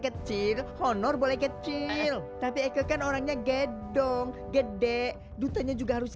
kecil honor boleh kecil tapi eke kan orangnya gedong gede dutanya juga harus